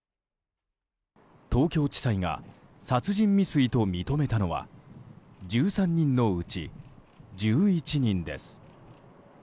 東京地裁が殺人未遂と認めたのは１３人のうち１１人です。